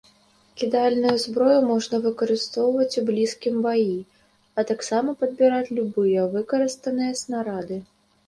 Кідальную зброю можна выкарыстоўваць у блізкім баі, а таксама падбіраць любыя выкарыстаныя снарады.